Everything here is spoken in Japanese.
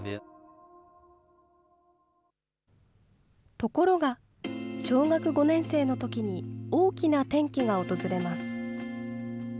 ところが、小学５年生のときに、大きな転機が訪れます。